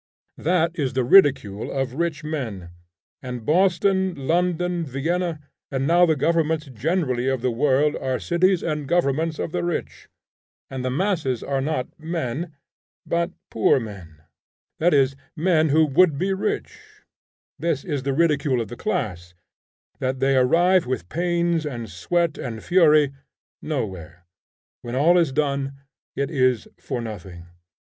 That is the ridicule of rich men, and Boston, London, Vienna, and now the governments generally of the world are cities and governments of the rich; and the masses are not men, but poor men, that is, men who would be rich; this is the ridicule of the class, that they arrive with pains and sweat and fury nowhere; when all is done, it is for nothing.